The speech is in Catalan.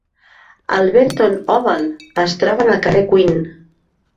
Alberton Oval es troba en el carrer Queen.